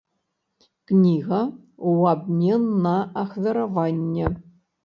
Кніга ў абмен на ахвяраванне!